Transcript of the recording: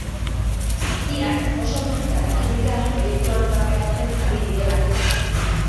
Biak oso pozik agertu dira proiektuan parte hartzen ari direlako.